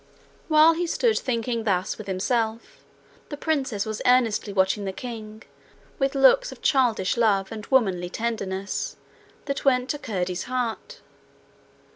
While he stood thinking thus with himself, the princess was earnestly watching the king, with looks of childish love and womanly tenderness that went to Curdie's heart.